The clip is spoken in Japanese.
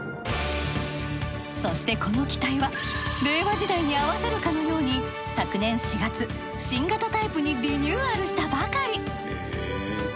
そしてこの機体は令和時代に合わせるかのように昨年４月新型タイプにリニューアルしたばかり。